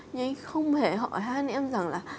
nhưng anh ấy không hề hỏi hát em rằng là